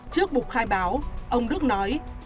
trước buộc khai báo ông đức nói